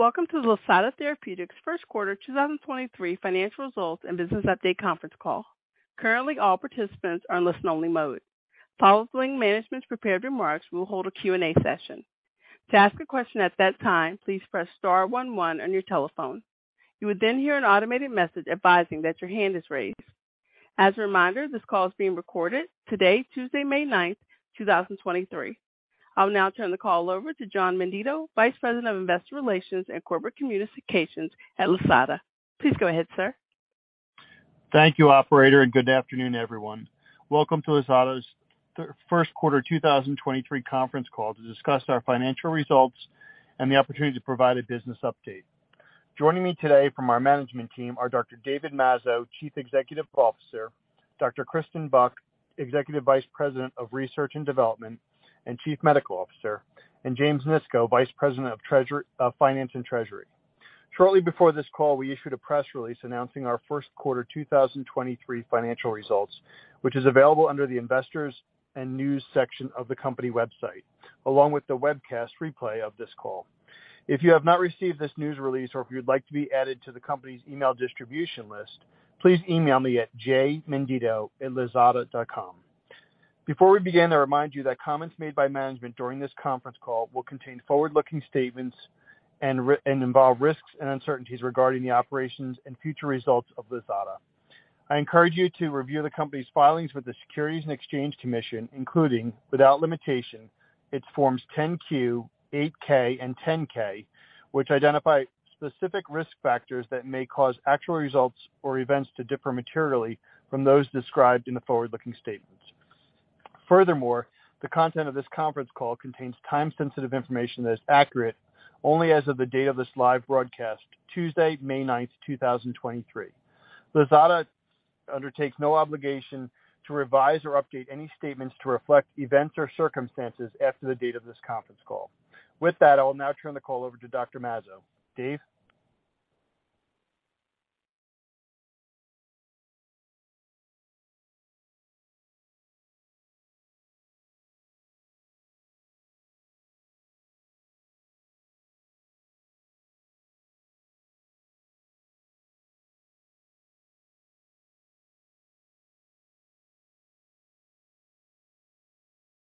Welcome to Lisata Therapeutics first quarter 2023 financial results and business update conference call. Currently, all participants are in listen only mode. Following management's prepared remarks, we will hold a Q&A session. To ask a question at that time, please press star one one on your telephone. You would hear an automated message advising that your hand is raised. As a reminder, this call is being recorded today, Tuesday, May 9th, 2023. I'll now turn the call over to John Menditto, Vice President of Investor Relations and Corporate Communications at Lisata. Please go ahead, sir. Thank you, operator. Good afternoon, everyone. Welcome to Lisata's first quarter 2023 conference call to discuss our financial results and the opportunity to provide a business update. Joining me today from our management team are Dr. David Mazzo, Chief Executive Officer, Dr. Kristen Buck, Executive Vice President of Research and Development and Chief Medical Officer, and James Nisco, Vice President of Finance and Treasury. Shortly before this call, we issued a press release announcing our first quarter 2023 financial results, which is available under the Investors and News section of the company website, along with the webcast replay of this call. If you have not received this news release or if you'd like to be added to the company's email distribution list, please email me at jmenditto@lisata.com. Before we begin, I remind you that comments made by management during this conference call will contain forward-looking statements and involve risks and uncertainties regarding the operations and future results of Lisata. I encourage you to review the company's filings with the Securities and Exchange Commission, including, without limitation, its forms 10-Q, 8-K, and 10-K, which identify specific risk factors that may cause actual results or events to differ materially from those described in the forward-looking statements. Furthermore, the content of this conference call contains time-sensitive information that is accurate only as of the date of this live broadcast, Tuesday, May 9th, 2023. Lisata undertakes no obligation to revise or update any statements to reflect events or circumstances after the date of this conference call. With that, I will now turn the call over to Dr. Mazzo. Dave?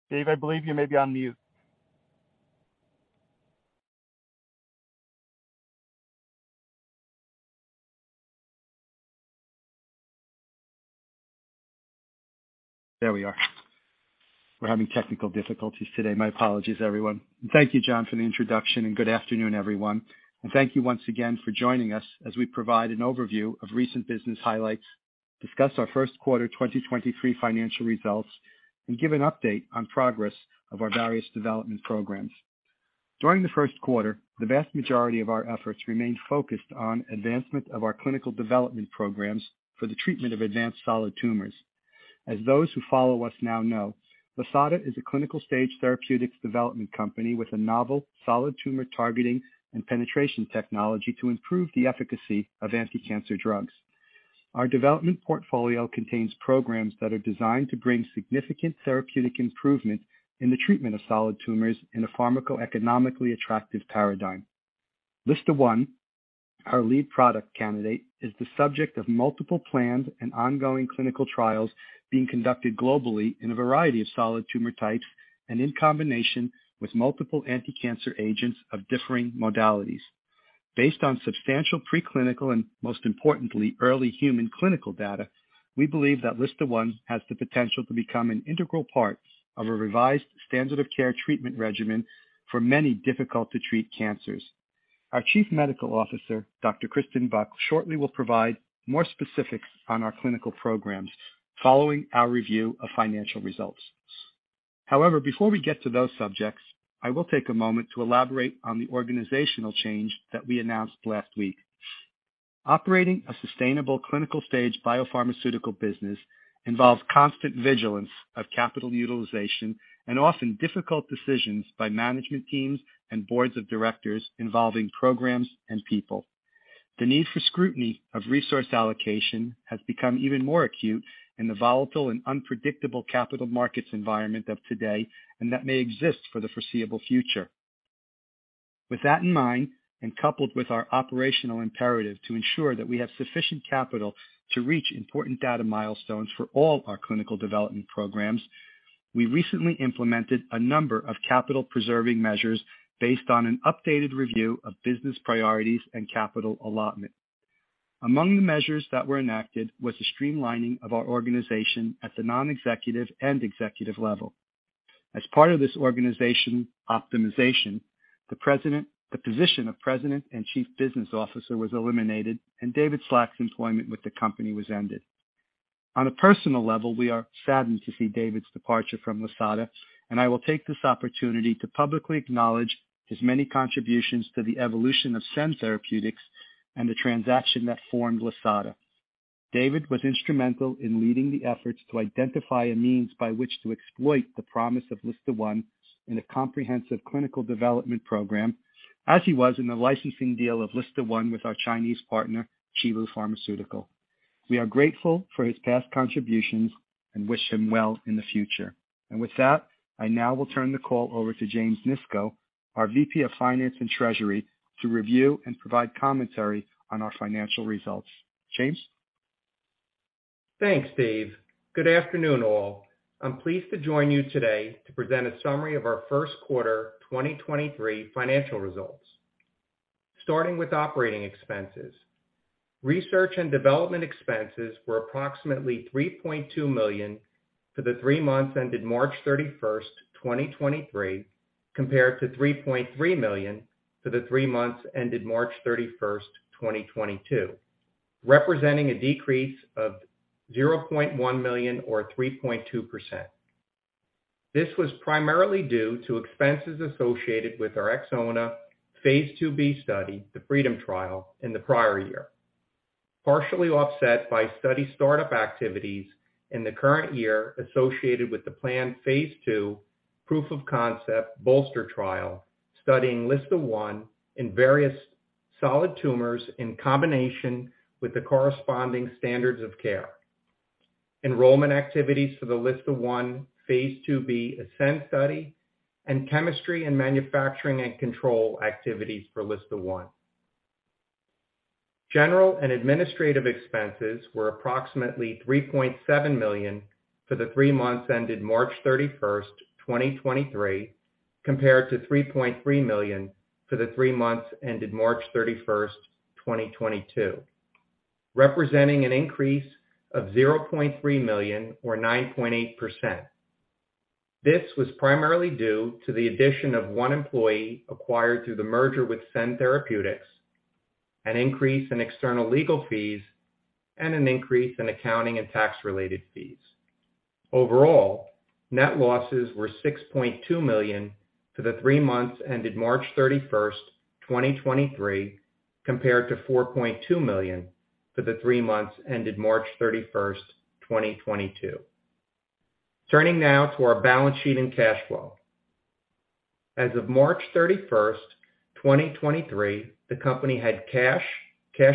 Dave, I believe you may be on mute. There we are. We're having technical difficulties today. My apologies, everyone. Thank you, John, for the introduction, good afternoon, everyone. Thank you once again for joining us as we provide an overview of recent business highlights, discuss our first quarter 2023 financial results, and give an update on progress of our various development programs. During the first quarter, the vast majority of our efforts remained focused on advancement of our clinical development programs for the treatment of advanced solid tumors. As those who follow us now know, Lisata is a clinical stage therapeutics development company with a novel solid tumor targeting and penetration technology to improve the efficacy of anticancer drugs. Our development portfolio contains programs that are designed to bring significant therapeutic improvement in the treatment of solid tumors in a pharmacoeconomically attractive paradigm. LSTA1, our lead product candidate, is the subject of multiple planned and ongoing clinical trials being conducted globally in a variety of solid tumor types and in combination with multiple anticancer agents of differing modalities. Based on substantial preclinical and, most importantly, early human clinical data, we believe that LSTA1 has the potential to become an integral part of a revised standard of care treatment regimen for many difficult to treat cancers. Our Chief Medical Officer, Dr. Kristen Buck, shortly will provide more specifics on our clinical programs following our review of financial results. However, before we get to those subjects, I will take a moment to elaborate on the organizational change that we announced last week. Operating a sustainable clinical stage biopharmaceutical business involves constant vigilance of capital utilization and often difficult decisions by management teams and boards of directors involving programs and people. The need for scrutiny of resource allocation has become even more acute in the volatile and unpredictable capital markets environment of today, and that may exist for the foreseeable future. With that in mind, and coupled with our operational imperative to ensure that we have sufficient capital to reach important data milestones for all our clinical development programs, we recently implemented a number of capital preserving measures based on an updated review of business priorities and capital allotment. Among the measures that were enacted was the streamlining of our organization at the non-executive and executive level. As part of this organization optimization, the position of President and Chief Business Officer was eliminated and David Slack's employment with the company was ended. On a personal level, we are saddened to see David's departure from Lisata. I will take this opportunity to publicly acknowledge his many contributions to the evolution of Cend Therapeutics and the transaction that formed Lisata. David was instrumental in leading the efforts to identify a means by which to exploit the promise of LSTA1 in a comprehensive clinical development program, as he was in the licensing deal of LSTA1 with our Chinese partner, Qilu Pharmaceutical. We are grateful for his past contributions and wish him well in the future. With that, I now will turn the call over to James Nisco, our VP of Finance and Treasury, to review and provide commentary on our financial results. James? Thanks, Dave. Good afternoon, all. I'm pleased to join you today to present a summary of our first quarter 2023 financial results. Starting with operating expenses. Research and development expenses were approximately $3.2 million for the three months ended March 31st, 2023, compared to $3.3 million for the three months ended March 31st, 2022, representing a decrease of $0.1 million or 3.2%. This was primarily due to expenses associated with our XOWNA phase II-B study, the FREEDOM Trial, in the prior year. Partially offset by study start-up activities in the current year associated with the planned phase II proof of concept BOLSTER trial, studying LSTA1 in various solid tumors in combination with the corresponding standards of care. Enrollment activities for the LSTA1 phase II-B ASCEND study and chemistry and manufacturing and control activities for LSTA1. General and administrative expenses were approximately $3.7 million for the three months ended March 31st, 2023, compared to $3.3 million for the three months ended March 31st, 2022, representing an increase of $0.3 million or 9.8%. This was primarily due to the addition of one employee acquired through the merger with Cend Therapeutics, an increase in external legal fees, and an increase in accounting and tax-related fees. Overall, net losses were $6.2 million for the three months ended March 31st, 2023, compared to $4.2 million for the three months ended March 31st, 2022. Turning now to our balance sheet and cash flow. As of March 31st, 2023, the company had cash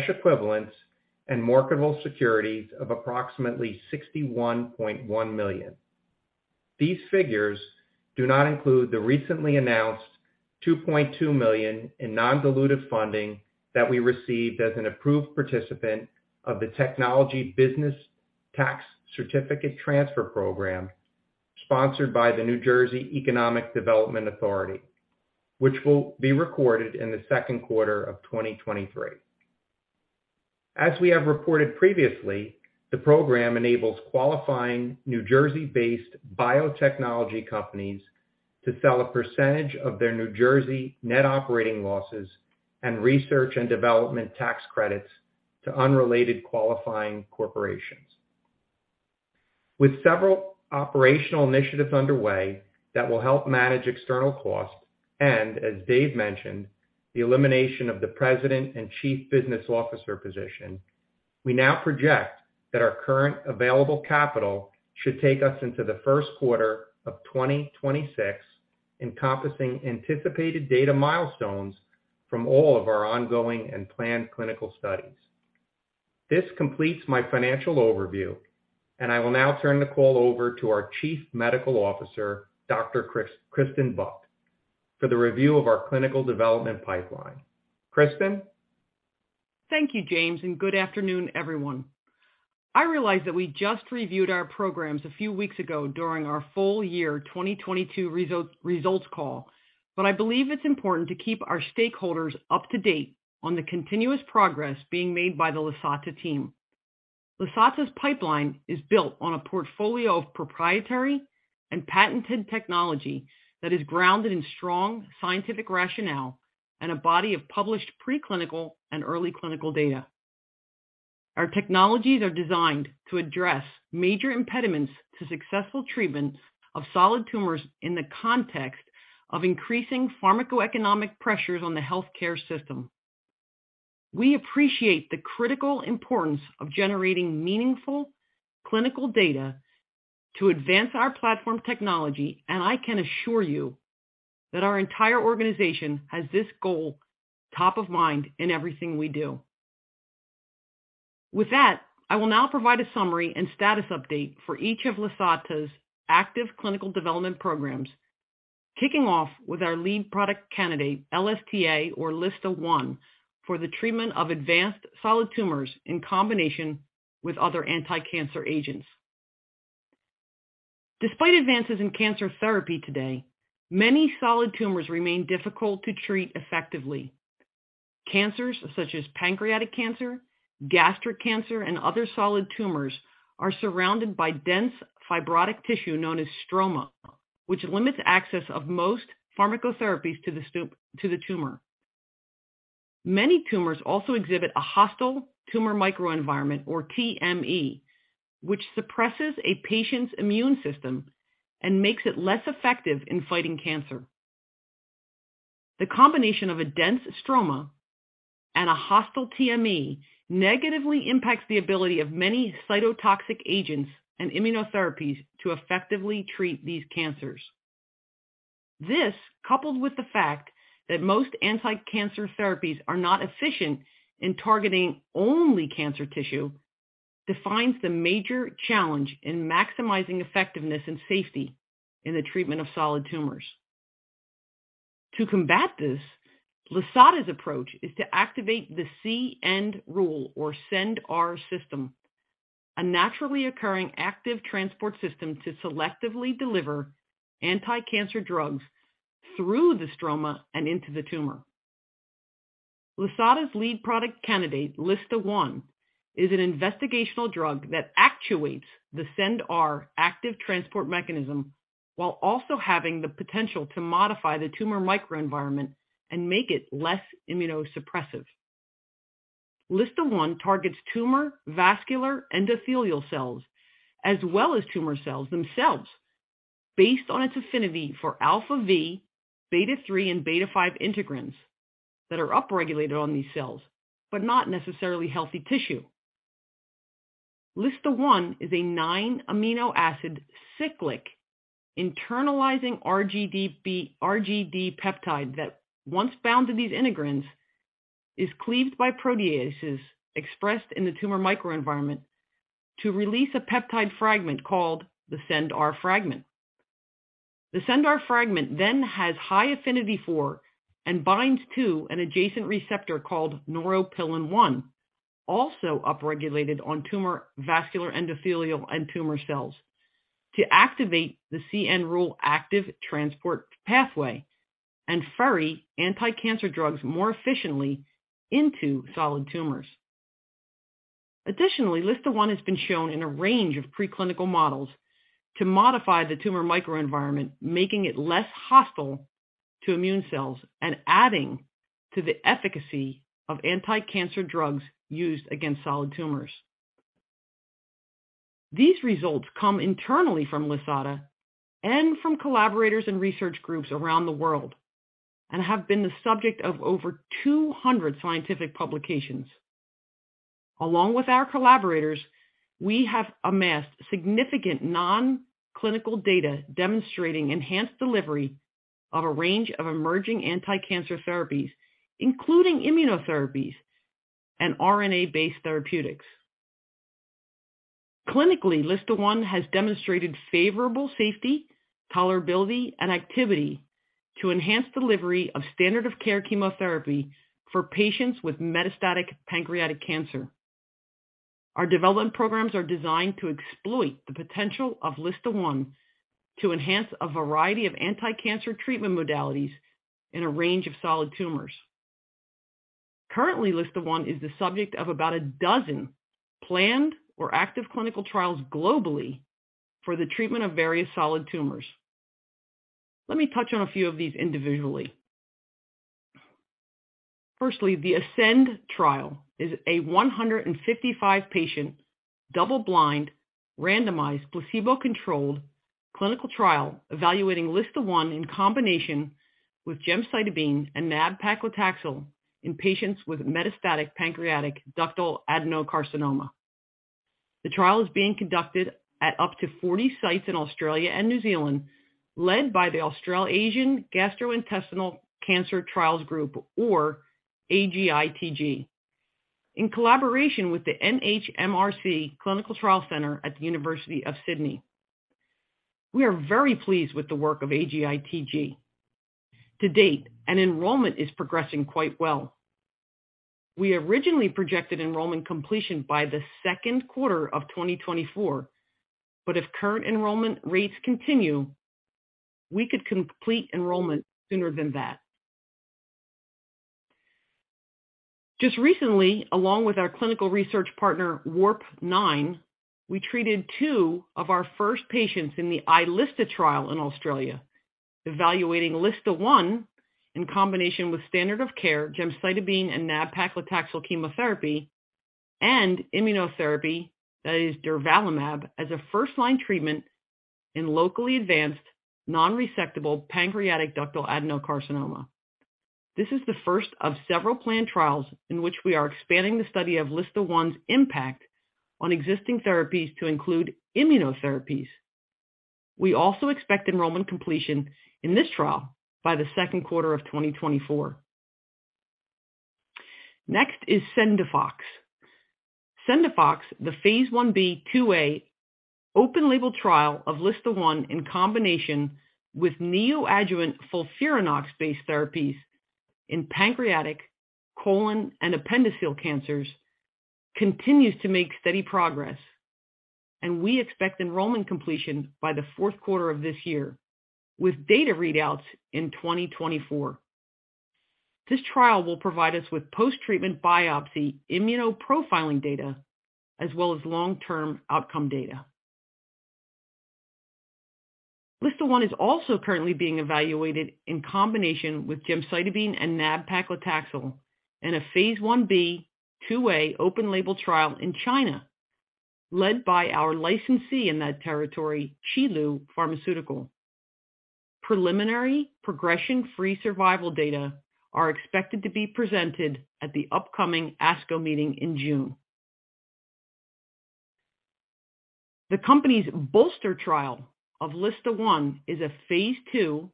equivalents, and marketable securities of approximately $61.1 million. These figures do not include the recently announced $2.2 million in non-dilutive funding that we received as an approved participant of the Technology Business Tax Certificate Transfer Program, sponsored by the New Jersey Economic Development Authority, which will be recorded in the second quarter of 2023. As we have reported previously, the program enables qualifying New Jersey-based biotechnology companies to sell a percentage of their New Jersey net operating losses and research and development tax credits to unrelated qualifying corporations. With several operational initiatives underway that will help manage external costs, and as Dave mentioned, the elimination of the president and chief business officer position, we now project that our current available capital should take us into the first quarter of 2026, encompassing anticipated data milestones from all of our ongoing and planned clinical studies. This completes my financial overview, and I will now turn the call over to our Chief Medical Officer, Dr. Kristen Buck, for the review of our clinical development pipeline. Kristen? Thank you, James, good afternoon, everyone. I realize that we just reviewed our programs a few weeks ago during our full year 2022 results call, but I believe it's important to keep our stakeholders up to date on the continuous progress being made by the Lisata team. Lisata's pipeline is built on a portfolio of proprietary and patented technology that is grounded in strong scientific rationale and a body of published preclinical and early clinical data. Our technologies are designed to address major impediments to successful treatment of solid tumors in the context of increasing pharmacoeconomic pressures on the healthcare system. We appreciate the critical importance of generating meaningful clinical data to advance our platform technology, and I can assure you that our entire organization has this goal top of mind in everything we do. With that, I will now provide a summary and status update for each of Lisata's active clinical development programs, kicking off with our lead product candidate, LSTA or LSTA1, for the treatment of advanced solid tumors in combination with other anticancer agents. Despite advances in cancer therapy today, many solid tumors remain difficult to treat effectively. Cancers such as pancreatic cancer, gastric cancer, and other solid tumors are surrounded by dense fibrotic tissue known as stroma, which limits access of most pharmacotherapies to the tumor. Many tumors also exhibit a hostile tumor microenvironment or TME, which suppresses a patient's immune system and makes it less effective in fighting cancer. The combination of a dense stroma and a hostile TME negatively impacts the ability of many cytotoxic agents and immunotherapies to effectively treat these cancers. This, coupled with the fact that most anticancer therapies are not efficient in targeting only cancer tissue, defines the major challenge in maximizing effectiveness and safety in the treatment of solid tumors. To combat this, Lisata's approach is to activate the C-end Rule or CendR system, a naturally occurring active transport system to selectively deliver anticancer drugs through the stroma and into the tumor. Lisata's lead product candidate, LSTA1, is an investigational drug that actuates the CendR active transport mechanism while also having the potential to modify the tumor microenvironment and make it less immunosuppressive. LSTA1 targets tumor vascular endothelial cells, as well as tumor cells themselves based on its affinity for αv, β3, and β5 integrins that are upregulated on these cells, but not necessarily healthy tissue. LSTA1 is a nine amino acid cyclic internalizing RGD peptide that once bound to these integrins, is cleaved by proteases expressed in the tumor microenvironment to release a peptide fragment called the CendR fragment. The CendR fragment has high affinity for and binds to an adjacent receptor called neuropilin-1, also upregulated on tumor vascular endothelial and tumor cells to activate the C-end Rule active transport pathway and ferry anticancer drugs more efficiently into solid tumors. Additionally, LSTA1 has been shown in a range of preclinical models to modify the tumor microenvironment, making it less hostile to immune cells and adding to the efficacy of anticancer drugs used against solid tumors. These results come internally from Lisata and from collaborators and research groups around the world and have been the subject of over 200 scientific publications. Along with our collaborators, we have amassed significant non-clinical data demonstrating enhanced delivery of a range of emerging anticancer therapies, including immunotherapies and RNA-based therapeutics. Clinically, LSTA1 has demonstrated favorable safety, tolerability, and activity to enhance delivery of standard of care chemotherapy for patients with metastatic pancreatic cancer. Our development programs are designed to exploit the potential of LSTA1 to enhance a variety of anticancer treatment modalities in a range of solid tumors. Currently, LSTA1 is the subject of about 12 planned or active clinical trials globally for the treatment of various solid tumors. Let me touch on a few of these individually. Firstly, the ASCEND trial is a 155 patient, double-blind, randomized, placebo-controlled clinical trial evaluating LSTA1 in combination with gemcitabine and nab-paclitaxel in patients with metastatic pancreatic ductal adenocarcinoma. The trial is being conducted at up to 40 sites in Australia and New Zealand, led by the Australasian Gastro-Intestinal Trials Group, or AGITG, in collaboration with the NHMRC Clinical Trials Centre at The University of Sydney. We are very pleased with the work of AGITG to date, and enrollment is progressing quite well. We originally projected enrollment completion by the second quarter of 2024. If current enrollment rates continue, we could complete enrollment sooner than that. Just recently, along with our clinical research partner, WARPNINE, we treated two of our first patients in the iLSTA trial in Australia, evaluating LSTA1 in combination with standard of care gemcitabine and nab-paclitaxel chemotherapy and immunotherapy that is durvalumab as a first-line treatment in locally advanced non-resectable pancreatic ductal adenocarcinoma. This is the first of several planned trials in which we are expanding the study of LSTA1's impact on existing therapies to include immunotherapies. We also expect enrollment completion in this trial by the second quarter of 2024. Next is CENDIFOX. CENDIFOX, the phase I-B/II-A open-label trial of LSTA1 in combination with neoadjuvant FOLFIRINOX-based therapies in pancreatic colon and appendiceal cancers continues to make steady progress, and we expect enrollment completion by the fourth quarter of this year with data readouts in 2024. This trial will provide us with post-treatment biopsy immunoprofiling data as well as long-term outcome data. LSTA1 is also currently being evaluated in combination with gemcitabine and nab-paclitaxel in a phase I-B/II-A open-label trial in China led by our licensee in that territory, Qilu Pharmaceutical. Preliminary progression-free survival data are expected to be presented at the upcoming ASCO meeting in June. The company's BOLSTER trial of LSTA1 is a phase II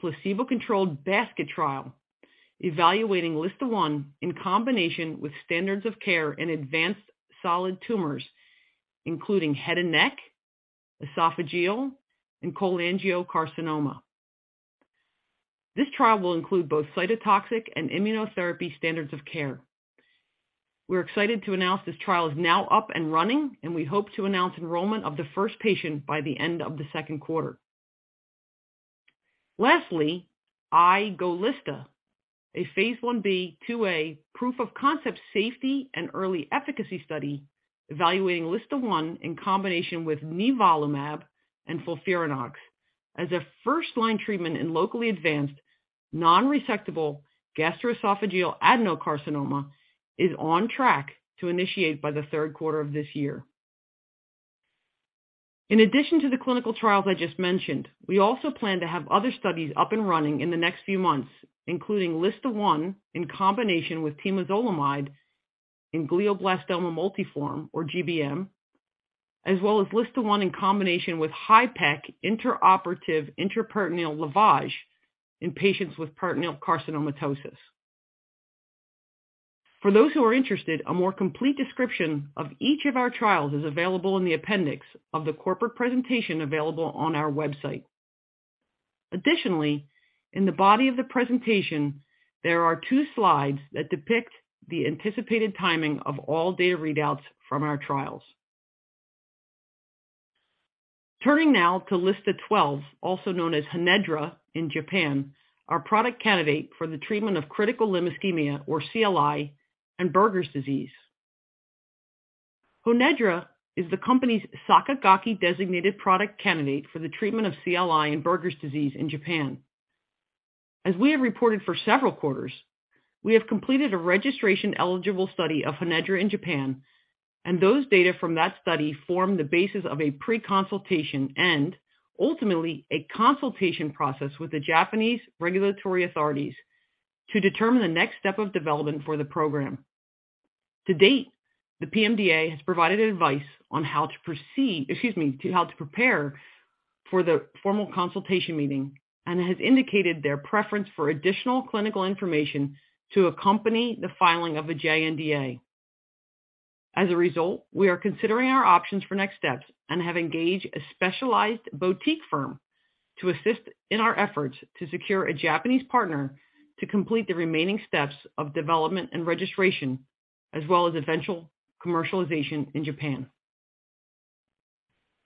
placebo-controlled basket trial evaluating LSTA1 in combination with standards of care in advanced solid tumors, including head and neck, esophageal, and cholangiocarcinoma. This trial will include both cytotoxic and immunotherapy standards of care. We're excited to announce this trial is now up and running, and we hope to announce enrollment of the first patient by the end of the second quarter. Lastly, iLSTA, a phase I-B/II-A proof-of-concept safety and early efficacy study evaluating LSTA1 in combination with nivolumab and FOLFIRINOX as a first-line treatment in locally advanced nonresectable gastroesophageal adenocarcinoma, is on track to initiate by the third quarter of this year. In addition to the clinical trials I just mentioned, we also plan to have other studies up and running in the next few months, including LSTA1 in combination with temozolomide in glioblastoma multiforme, or GBM, as well as LSTA1 in combination with HIPEC intraoperative intraperitoneal lavage in patients with peritoneal carcinomatosis. For those who are interested, a more complete description of each of our trials is available in the appendix of the corporate presentation available on our website. In the body of the presentation, there are two slides that depict the anticipated timing of all data readouts from our trials. Turning now to LSTA12, also known as HONEDRA in Japan, our product candidate for the treatment of critical limb ischemia, or CLI, and Buerger's disease. HONEDRA is the company's SAKIGAKE designated product candidate for the treatment of CLI and Buerger's disease in Japan. Those data from that study form the basis of a pre-consultation and ultimately a consultation process with the Japanese regulatory authorities to determine the next step of development for the program. To date, the PMDA has provided advice on how to proceed, excuse me, to how to prepare for the formal consultation meeting and has indicated their preference for additional clinical information to accompany the filing of a JNDA. We are considering our options for next steps and have engaged a specialized boutique firm to assist in our efforts to secure a Japanese partner to complete the remaining steps of development and registration, as well as eventual commercialization in Japan.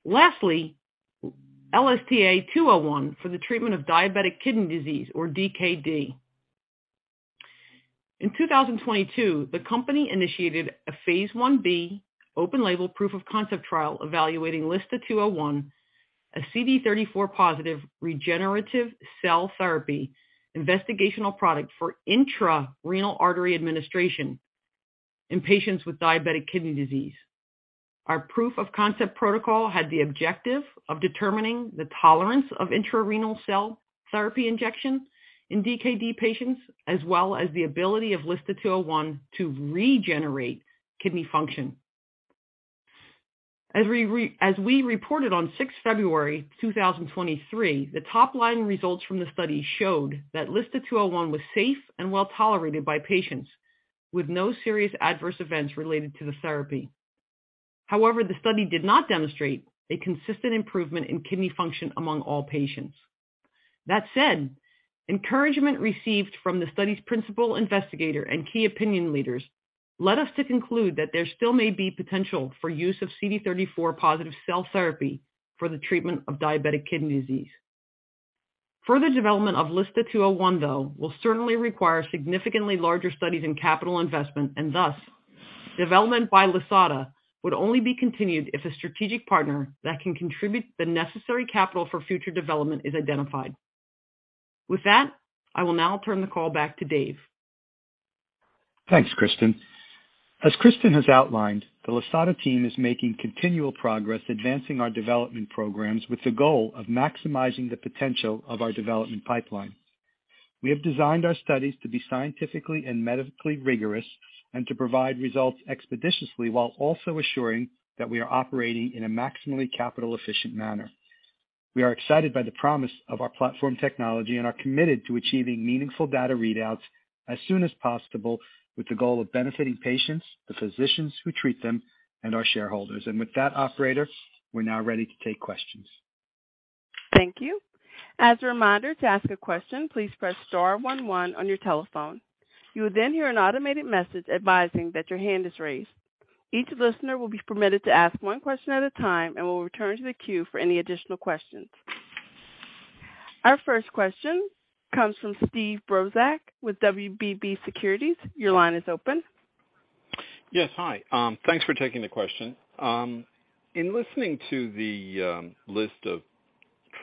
LSTA201 for the treatment of diabetic kidney disease or DKD. In 2022, the company initiated a phase I-B open-label proof-of-concept trial evaluating LSTA201, a CD34+ regenerative cell therapy investigational product for intra-renal artery administration in patients with diabetic kidney disease. Our proof-of-concept protocol had the objective of determining the tolerance of intra-renal cell therapy injection in DKD patients, as well as the ability of LSTA201 to regenerate kidney function. As we reported on 6 February 2023, the top-line results from the study showed that LSTA201 was safe and well tolerated by patients with no serious adverse events related to the therapy. However, the study did not demonstrate a consistent improvement in kidney function among all patients. That said, encouragement received from the study's principal investigator and key opinion leaders led us to conclude that there still may be potential for use of CD34+ cell therapy for the treatment of diabetic kidney disease. Further development of LSTA201, though, will certainly require significantly larger studies in capital investment, and thus development by Lisata would only be continued if a strategic partner that can contribute the necessary capital for future development is identified. With that, I will now turn the call back to Dave. Thanks, Kristen. As Kristen has outlined, the Lisata team is making continual progress advancing our development programs with the goal of maximizing the potential of our development pipeline. We have designed our studies to be scientifically and medically rigorous and to provide results expeditiously while also assuring that we are operating in a maximally capital-efficient manner. We are excited by the promise of our platform technology and are committed to achieving meaningful data readouts as soon as possible with the goal of benefiting patients, the physicians who treat them, and our shareholders. With that operator, we're now ready to take questions. Thank you. As a reminder to ask a question, please press star one one on your telephone. You will then hear an automated message advising that your hand is raised. Each listener will be permitted to ask one question at a time and will return to the queue for any additional questions. Our first question comes from Steve Brozak with WBB Securities. Your line is open. Yes. Hi. Thanks for taking the question. In listening to the list of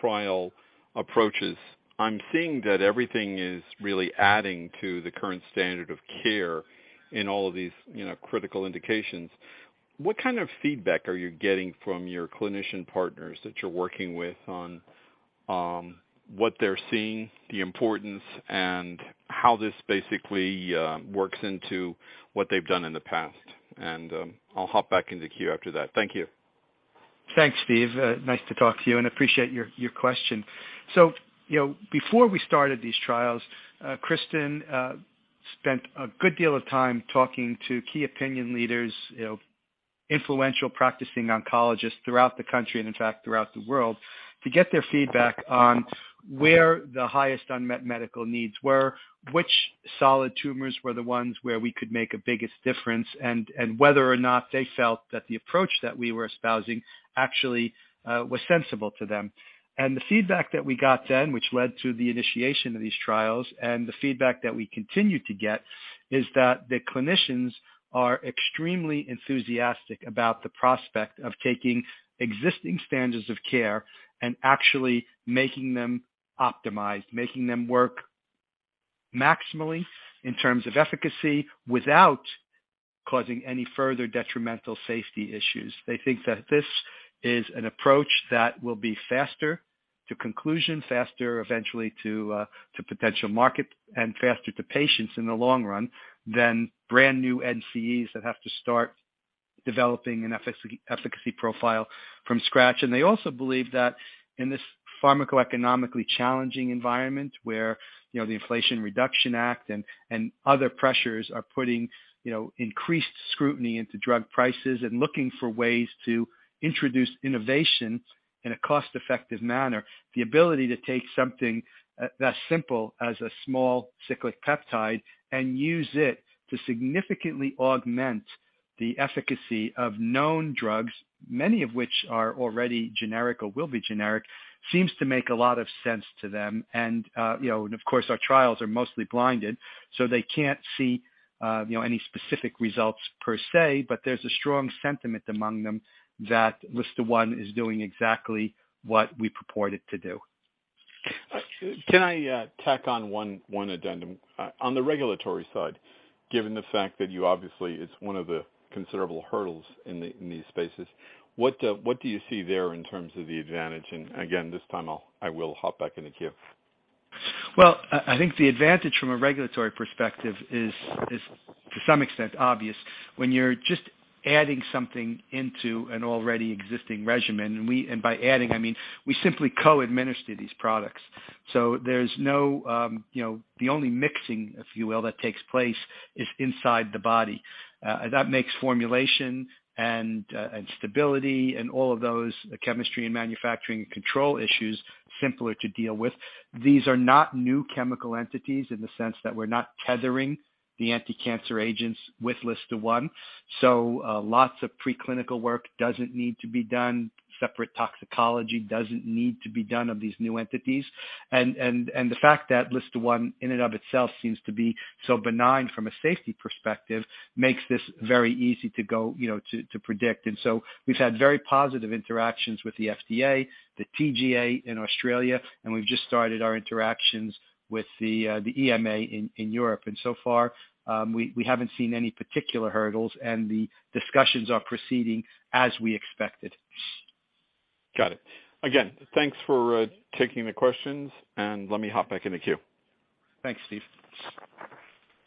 trial approaches, I'm seeing that everything is really adding to the current standard of care in all of these, you know, critical indications. What kind of feedback are you getting from your clinician partners that you're working with on what they're seeing, the importance and how this basically works into what they've done in the past. I'll hop back in the queue after that. Thank you. Thanks, Steve. Nice to talk to you and appreciate your question. You know, before we started these trials, Kristen, spent a good deal of time talking to key opinion leaders, you know, influential practicing oncologists throughout the country, and in fact throughout the world, to get their feedback on where the highest unmet medical needs were, which solid tumors were the ones where we could make the biggest difference, and whether or not they felt that the approach that we were espousing actually, was sensible to them. The feedback that we got then, which led to the initiation of these trials, and the feedback that we continue to get is that the clinicians are extremely enthusiastic about the prospect of taking existing standards of care and actually making them optimized, making them work maximally in terms of efficacy, without causing any further detrimental safety issues. They think that this is an approach that will be faster to conclusion, faster eventually to a, to potential market and faster to patients in the long run than brand new NCEs that have to start developing an efficacy profile from scratch. They also believe that in this pharmacoeconomically challenging environment where, you know, the Inflation Reduction Act and other pressures are putting, you know, increased scrutiny into drug prices and looking for ways to introduce innovation in a cost-effective manner. The ability to take something, that's simple as a small cyclic peptide and use it to significantly augment the efficacy of known drugs, many of which are already generic or will be generic, seems to make a lot of sense to them. You know, and of course, our trials are mostly blinded, so they can't see, you know, any specific results per se, but there's a strong sentiment among them that LSTA1 is doing exactly what we purported to do. Can I tack on one addendum? On the regulatory side, given the fact that you obviously it's one of the considerable hurdles in these spaces, what do you see there in terms of the advantage? Again, this time I will hop back in the queue. Well, I think the advantage from a regulatory perspective is to some extent obvious. When you're just adding something into an already existing regimen, and by adding, I mean, we simply co-administer these products. There's no, you know, the only mixing, if you will, that takes place is inside the body. That makes formulation and stability and all of those chemistry and manufacturing control issues simpler to deal with. These are not new chemical entities in the sense that we're not tethering the anticancer agents with LSTA1. Lots of preclinical work doesn't need to be done, separate toxicology doesn't need to be done of these new entities. And the fact that LSTA1 in and of itself seems to be so benign from a safety perspective makes this very easy to go, you know, to predict. We've had very positive interactions with the FDA, the TGA in Australia, and we've just started our interactions with the EMA in Europe. So far, we haven't seen any particular hurdles, and the discussions are proceeding as we expected. Got it. Again, thanks for taking the questions, and let me hop back in the queue. Thanks, Steve.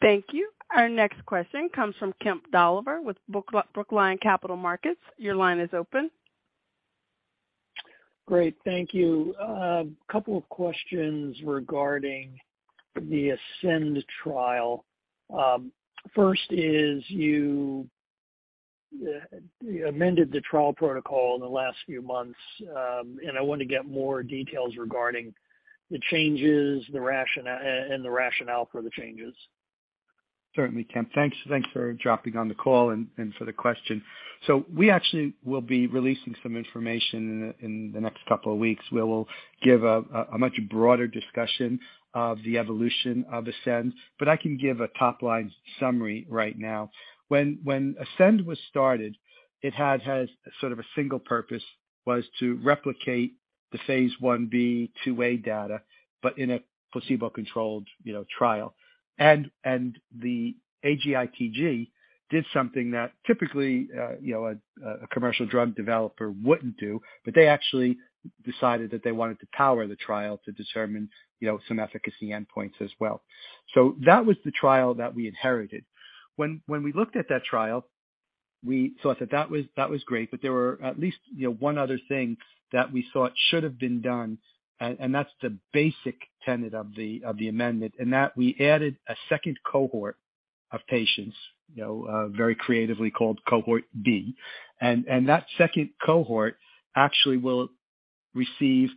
Thank you. Our next question comes from Kemp Dolliver with Brookline Capital Markets. Your line is open. Great. Thank you. A couple of questions regarding the ASCEND trial. First is, you amended the trial protocol in the last few months, and I want to get more details regarding the changes, and the rationale for the changes. Certainly, Kemp. Thanks. Thanks for dropping on the call and for the question. We actually will be releasing some information in the next couple of weeks. We'll give a much broader discussion of the evolution of ASCEND, but I can give a top-line summary right now. When ASCEND was started, it had as sort of a single purpose was to replicate the phase I-B/II-A data, but in a placebo-controlled, you know, trial. The AGITG did something that typically, you know, a commercial drug developer wouldn't do, but they actually decided that they wanted to power the trial to determine, you know, some efficacy endpoints as well. That was the trial that we inherited. When we looked at that trial, we thought that was great. There were at least, you know, one other thing that we thought should have been done, and that's the basic tenet of the amendment, that we added a second cohort of patients, you know, very creatively called cohort B. That second cohort actually will receive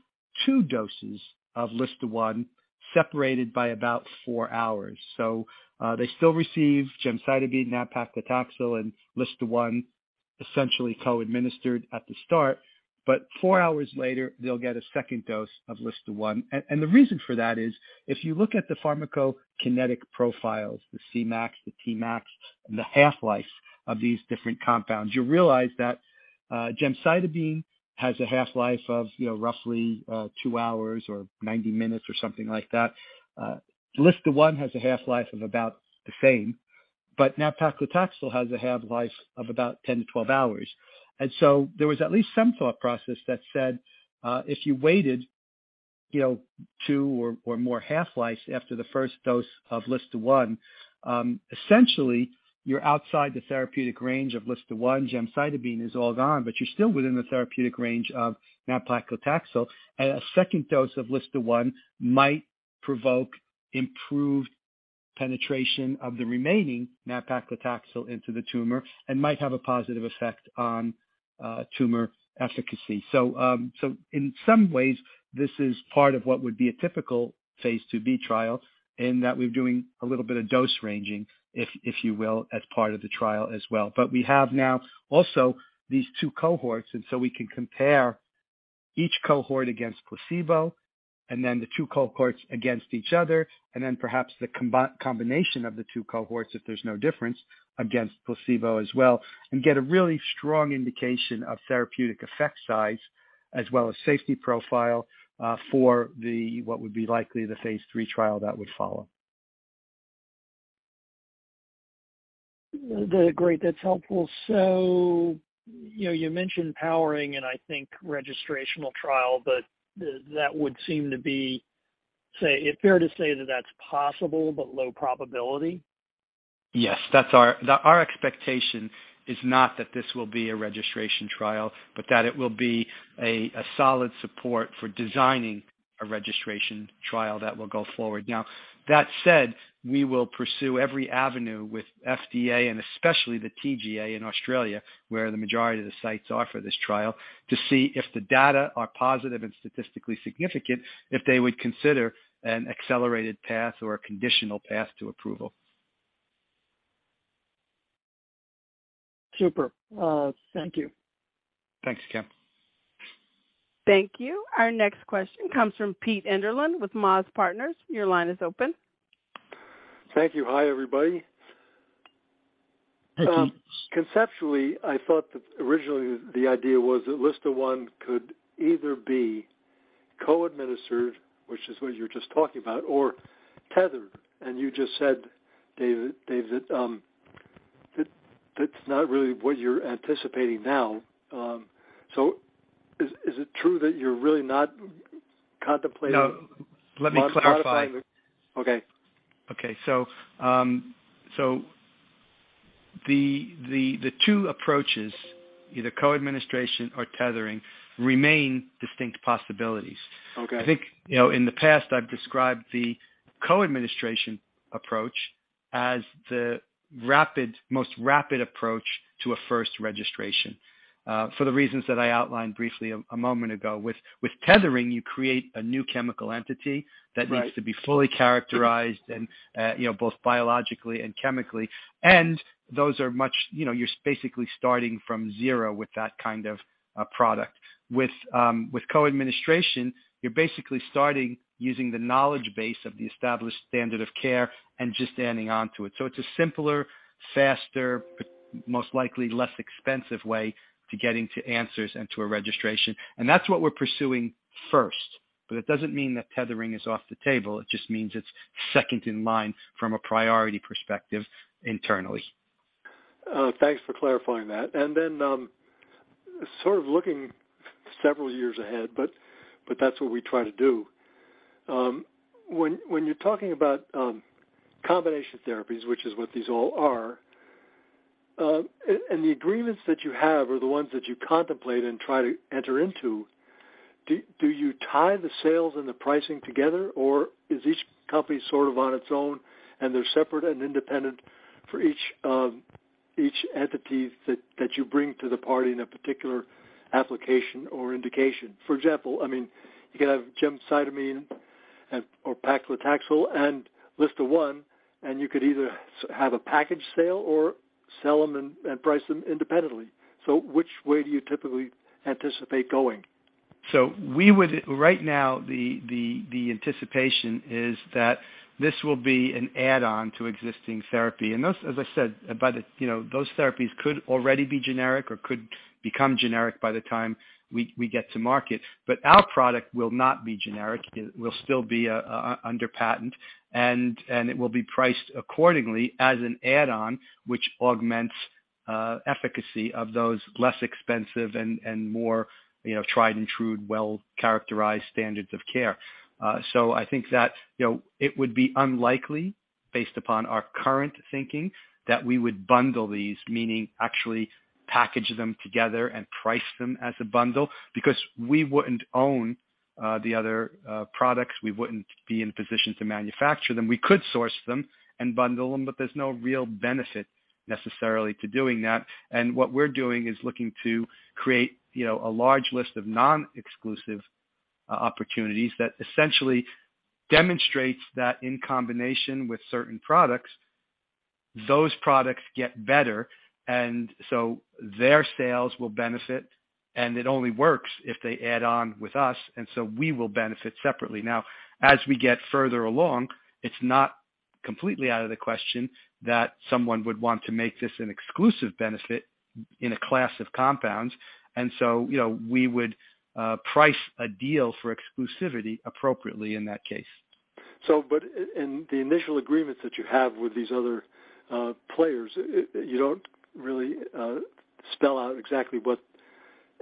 two doses of LSTA1 separated by about four hours. They still receive gemcitabine, nab-paclitaxel, and LSTA1 essentially co-administered at the start. Four hours later, they'll get a second dose of LSTA1. The reason for that is, if you look at the pharmacokinetic profiles, the Cmax, the Tmax, and the half-life of these different compounds, you realize that gemcitabine has a half-life of, you know, roughly, two hours or 90 minutes or something like that. LSTA1 has a half-life of about the same. But now paclitaxel has a half-life of about 10 to 12 hours. There was at least some thought process that said, if you waited, you know, two or more half-lives after the first dose of LSTA1, essentially, you're outside the therapeutic range of LSTA1. Gemcitabine is all gone, but you're still within the therapeutic range of nab-paclitaxel. A second dose of LSTA1 might provoke improved penetration of the remaining nab-paclitaxel into the tumor and might have a positive effect on tumor efficacy. In some ways, this is part of what would be a typical phase IIb trial in that we're doing a little bit of dose ranging, if you will, as part of the trial as well. We have now also these two cohorts, and so we can compare each cohort against placebo and then the two cohorts against each other and then perhaps the combination of the two cohorts, if there's no difference against placebo as well, and get a really strong indication of therapeutic effect size as well as safety profile, for what would be likely the phase III trial that would follow. Great. That's helpful. You know, you mentioned powering and I think registrational trial, but that would seem to be, say, fair to say that that's possible, but low probability. Yes. That's our expectation is not that this will be a registration trial, but that it will be a solid support for designing a registration trial that will go forward. That said, we will pursue every avenue with FDA and especially the TGA in Australia, where the majority of the sites are for this trial, to see if the data are positive and statistically significant, if they would consider an accelerated path or a conditional path to approval. Super. Thank you. Thanks, Kemp. Thank you. Our next question comes from Pete Enderlin with MAZ Partners. Your line is open. Thank you. Hi, everybody. Hi, Pete. Conceptually, I thought that originally the idea was that LSTA1 could either be co-administered, which is what you're just talking about, or tethered. You just said, David, Dave, that's not really what you're anticipating now. Is it true that you're really not contemplating-. No. Let me clarify. Okay. Okay. The two approaches, either co-administration or tethering, remain distinct possibilities. Okay. I think, you know, in the past, I've described the co-administration approach as the rapid, most rapid approach to a first registration, for the reasons that I outlined briefly a moment ago. With tethering, you create a new chemical entity. Right. That needs to be fully characterized and, you know, both biologically and chemically. You know, you're basically starting from zero with that kind of product. With co-administration, you're basically starting using the knowledge base of the established standard of care and just adding on to it. It's a simpler, faster, most likely less expensive way to getting to answers and to a registration. That's what we're pursuing first. It doesn't mean that tethering is off the table. It just means it's second in line from a priority perspective internally. Thanks for clarifying that. Sort of looking several years ahead, but that's what we try to do. When you're talking about combination therapies, which is what these all are, and the agreements that you have or the ones that you contemplate and try to enter into, do you tie the sales and the pricing together, or is each company sort of on its own and they're separate and independent for each entity that you bring to the party in a particular application or indication? For example, I mean, you could have gemcitabine and, or paclitaxel and LSTA1, and you could either have a package sale or sell them and price them independently. Which way do you typically anticipate going? We would. Right now, the anticipation is that this will be an add-on to existing therapy. Those, as I said. You know, those therapies could already be generic or could become generic by the time we get to market. Our product will not be generic. It will still be under patent, and it will be priced accordingly as an add-on, which augments efficacy of those less expensive and more, you know, tried and true, well-characterized standards of care. I think that, you know, it would be unlikely, based upon our current thinking, that we would bundle these, meaning actually package them together and price them as a bundle because we wouldn't own the other products. We wouldn't be in position to manufacture them. We could source them and bundle them, but there's no real benefit necessarily to doing that. What we're doing is looking to create, you know, a large list of non-exclusive opportunities that essentially demonstrates that in combination with certain products, those products get better, and so their sales will benefit. It only works if they add on with us, and so we will benefit separately. Now, as we get further along, it's not completely out of the question that someone would want to make this an exclusive benefit in a class of compounds. You know, we would price a deal for exclusivity appropriately in that case. But in the initial agreements that you have with these other players, you don't really spell out exactly what.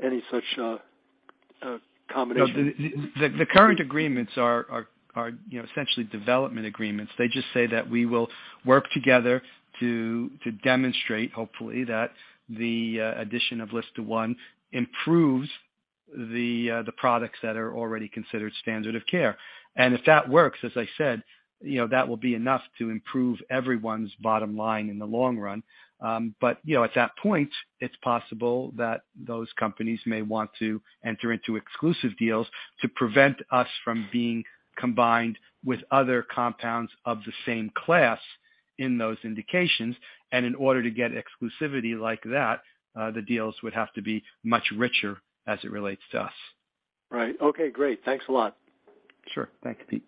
Any such combination. The current agreements are, you know, essentially development agreements. They just say that we will work together to demonstrate, hopefully, that the addition of LSTA1 improves the products that are already considered standard of care. If that works, as I said, you know, that will be enough to improve everyone's bottom line in the long run. You know, at that point, it's possible that those companies may want to enter into exclusive deals to prevent us from being combined with other compounds of the same class in those indications. In order to get exclusivity like that, the deals would have to be much richer as it relates to us. Right. Okay, great. Thanks a lot. Sure. Thanks, Pete.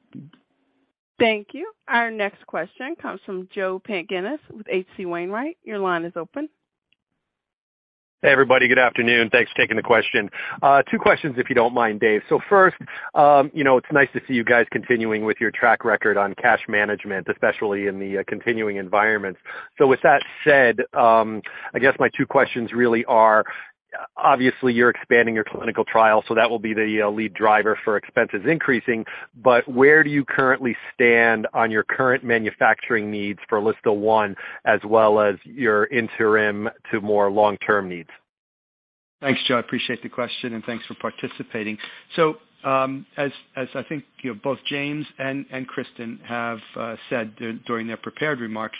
Thank you. Our next question comes from Joe Pantginis with H.C. Wainwright. Your line is open. Hey, everybody. Good afternoon. Thanks for taking the question. Two questions, if you don't mind, Dave. First, you know, it's nice to see you guys continuing with your track record on cash management, especially in the continuing environment. With that said, I guess my two questions really are, obviously, you're expanding your clinical trial, so that will be the lead driver for expenses increasing, but where do you currently stand on your current manufacturing needs for LSTA1, as well as your interim to more long-term needs? Thanks, Joe. I appreciate the question, and thanks for participating. As I think, you know, both James and Kristen have said during their prepared remarks,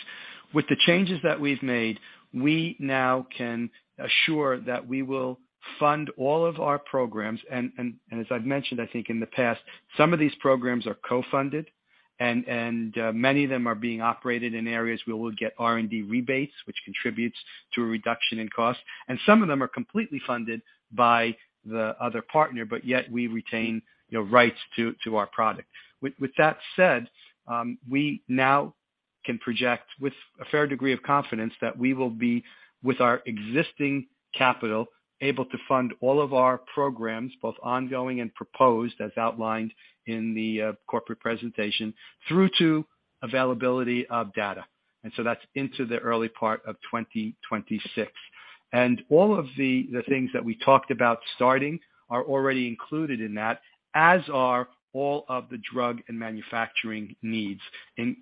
with the changes that we've made, we now can assure that we will fund all of our programs, and as I've mentioned, I think in the past, some of these programs are co-funded and many of them are being operated in areas we will get R&D rebates, which contributes to a reduction in cost. Some of them are completely funded by the other partner, but yet we retain, you know, rights to our product. With that said, we now can project with a fair degree of confidence that we will be, with our existing capital, able to fund all of our programs, both ongoing and proposed, as outlined in the corporate presentation, through to availability of data. That's into the early part of 2026. All of the things that we talked about starting are already included in that, as are all of the drug and manufacturing needs,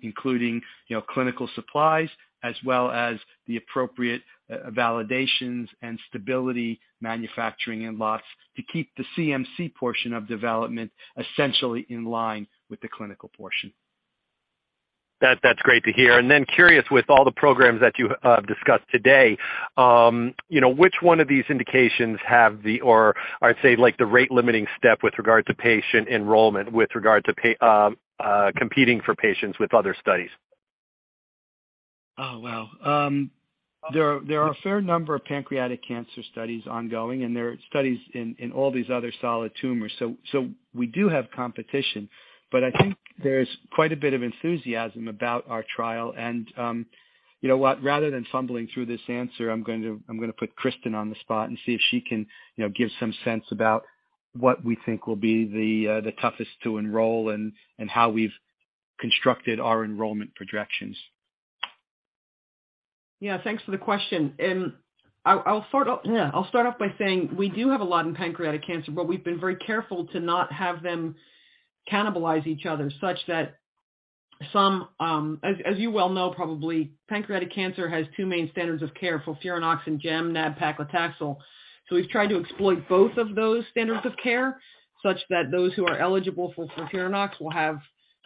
including, you know, clinical supplies as well as the appropriate validations and stability manufacturing and lots to keep the CMC portion of development essentially in line with the clinical portion. That's great to hear. Curious with all the programs that you discussed today, you know, which one of these indications have the or I'd say like the rate limiting step with regard to patient enrollment, with regard to competing for patients with other studies? Oh, wow. There are a fair number of pancreatic cancer studies ongoing, and there are studies in all these other solid tumors. We do have competition, but I think there's quite a bit of enthusiasm about our trial. You know what? Rather than fumbling through this answer, I'm gonna put Kristen on the spot and see if she can, you know, give some sense about what we think will be the toughest to enroll and how we've constructed our enrollment projections. Thanks for the question. I'll start off by saying we do have a lot in pancreatic cancer, we've been very careful to not have them cannibalize each other such that some, as you well know, probably, pancreatic cancer has two main standards of care, FOLFIRINOX and gem/nab-paclitaxel. We've tried to exploit both of those standards of care such that those who are eligible for FOLFIRINOX will have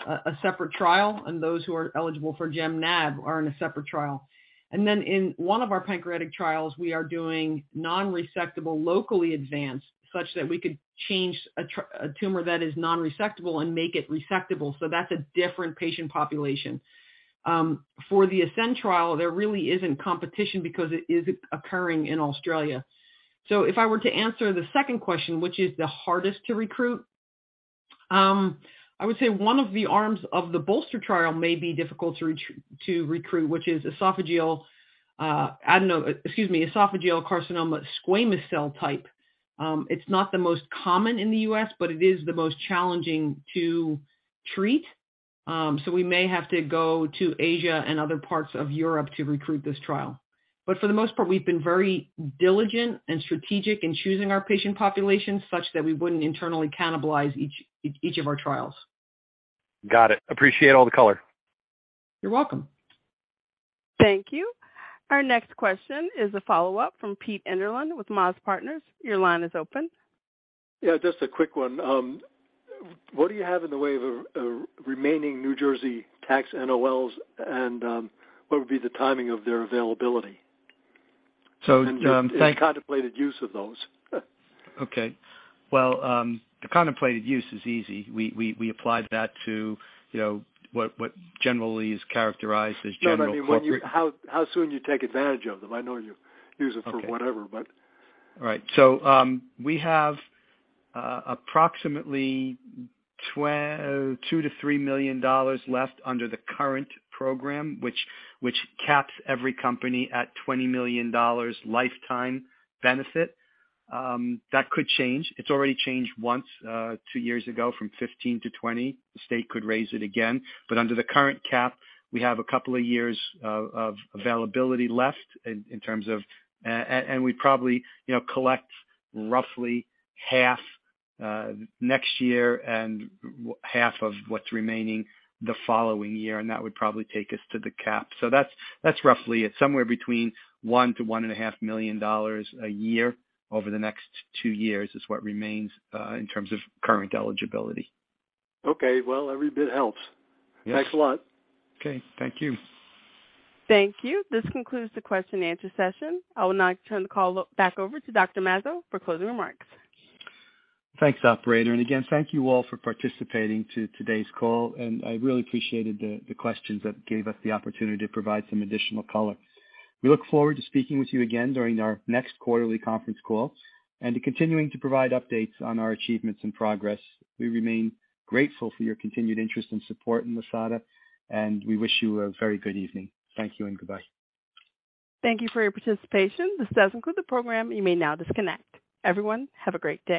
a separate trial and those who are eligible for Gem/Nab are in a separate trial. In one of our pancreatic trials, we are doing non-resectable, locally advanced, such that we could change a tumor that is non-resectable and make it resectable. That's a different patient population. For the ASCEND trial, there really isn't competition because it is occurring in Australia. If I were to answer the second question, which is the hardest to recruit, I would say one of the arms of the BOLSTER trial may be difficult to recruit, which is esophageal carcinoma squamous cell type. It's not the most common in the U.S., but it is the most challenging to treat. For the most part, we've been very diligent and strategic in choosing our patient population such that we wouldn't internally cannibalize each of our trials. Got it. Appreciate all the color. You're welcome. Thank you. Our next question is a follow-up from Pete Enderlin with MAZ Partners. Your line is open. Just a quick one. What do you have in the way of remaining New Jersey tax NOLs, and what would be the timing of their availability? So, um, thank- Contemplated use of those. Well, the contemplated use is easy. We applied that to, you know, what generally is characterized as. No, I mean, how soon do you take advantage of them? I know you use it for whatever, but. Right. We have approximately $2 million-$3 million left under the current program, which caps every company at $20 million lifetime benefit. That could change. It's already changed once two years ago from 15 to 20. The state could raise it again. Under the current cap, we have a couple of years of availability left in terms of and we probably, you know, collect roughly half next year and half of what's remaining the following year, and that would probably take us to the cap. That's roughly it. Somewhere between $1 million-$1.5 million a year over the next two years is what remains in terms of current eligibility. Okay. Well, every bit helps. Yes. Thanks a lot. Okay. Thank you. Thank you. This concludes the question and answer session. I will now turn the call back over to Dr. Mazzo for closing remarks. Thanks, operator. Again, thank you all for participating to today's call, and I really appreciated the questions that gave us the opportunity to provide some additional color. We look forward to speaking with you again during our next quarterly conference call and to continuing to provide updates on our achievements and progress. We remain grateful for your continued interest and support in Lisata, and we wish you a very good evening. Thank you and goodbye. Thank you for your participation. This does conclude the program. You may now disconnect. Everyone, have a great day.